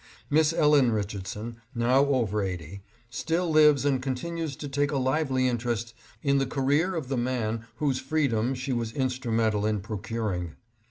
Miss Ellen Richardson, now over eighty, still lives and continues to take a lively interest in the career of the man whose freedom she was instrumental in procuring.